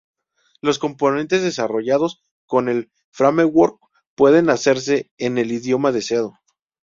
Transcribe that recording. Los componentes desarrollados con el framework pueden hacerse en el idioma deseado.